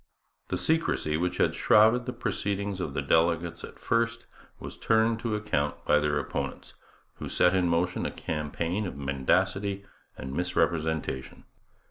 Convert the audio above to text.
The secrecy which had shrouded the proceedings of the delegates at first was turned to account by their opponents, who set in motion a campaign of mendacity and misrepresentation.